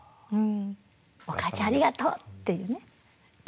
「おかあちゃんありがとう」っていうね。